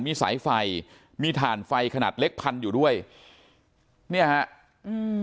มีสายไฟมีถ่านไฟขนาดเล็กพันอยู่ด้วยเนี่ยฮะอืม